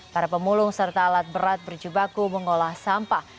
para pemulung serta alat berat berjubaku mengolah sampah